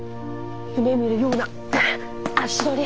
夢みるような足取り。